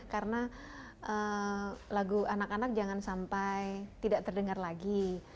karena lagu anak anak jangan sampai tidak terdengar lagi